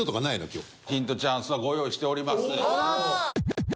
ヒントチャンスはご用意しております。